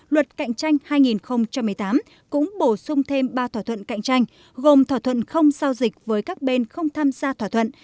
luật cạnh tranh hai nghìn một mươi tám cũng bổ sung thêm ba thỏa thuận cạnh tranh gồm thỏa thuận không giao dịch với các bên không tham gia thỏa thuận